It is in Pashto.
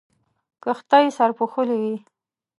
کښتۍ سرپوښلې وې.